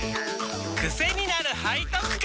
クセになる背徳感！